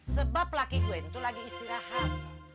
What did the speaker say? sebab laki gue itu lagi istirahat